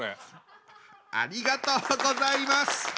ありがとうございます。